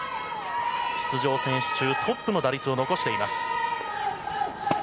出場選手中トップの打率を残しています。